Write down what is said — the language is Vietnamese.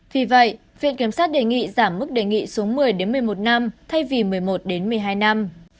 vì vậy viện kiểm sát đề nghị giảm mức đề nghị xuống một mươi một mươi một năm thay vì một mươi một một mươi hai năm